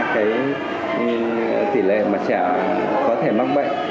tỷ lệ mà trẻ có thể mắc bệnh